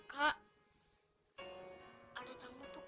kak ada tangguh tuh kak